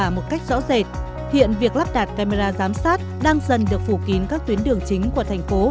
một cách rõ rệt hiện việc lắp đặt camera giám sát đang dần được phủ kín các tuyến đường chính của thành phố